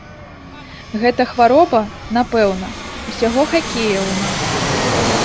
Гэта хвароба, напэўна, усяго хакея ў нас.